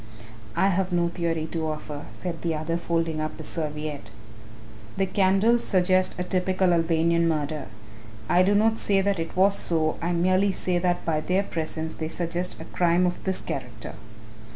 "I have no theory to offer," said the other, folding up his serviette; "the candles suggest a typical Albanian murder. I do not say that it was so, I merely say that by their presence they suggest a crime of this character."